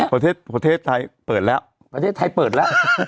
ประเทศไทยเปิดแล้วประเทศไทยเปิดแล้ว